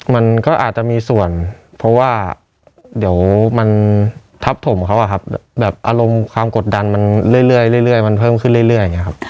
มันก็อาจจะมีส่วนเพราะว่าเดี๋ยวมันทับผมเขาอะครับแบบอารมณ์ความกดดันมันเรื่อยมันเพิ่มขึ้นเรื่อยอย่างนี้ครับ